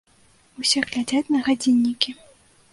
Усе глядзяць на гадзіннікі.